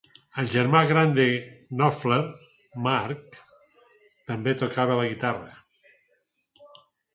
El germà gran de Knopfler, Mark, també tocava la guitarra.